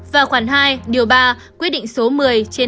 và khoảng hai ba quyết định số một mươi trên hai nghìn một mươi sáu